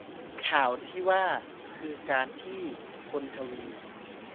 ข่าวที่ว่า คือ การที่คนทวี